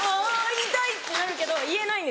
言いたいってなるけど言えないんです。